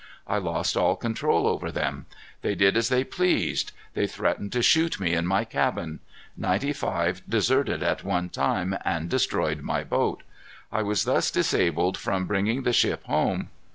I lost all control over them. They did as they pleased. They threatened to shoot me in my cabin. Ninety five deserted at one time, and destroyed my boat. I was thus disabled from bringing the ship home.